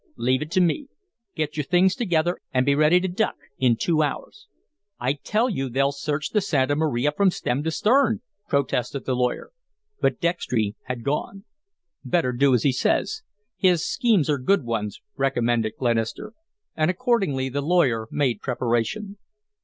"Leave it to me. Get your things together and be ready to duck in two hours." "I tell you they'll search the Santa Maria from stem to stern," protested the lawyer, but Dextry had gone. "Better do as he says. His schemes are good ones," recommended Glenister, and accordingly the lawyer made preparation.